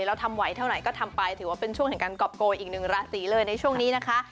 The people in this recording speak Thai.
แล้วทำไหวเท่าไหร่ก็ทำไปถือว่าเป็นช่วงแห่งการกรอบโกยอีกหนึ่งราศีเลยในช่วงนี้นะคะ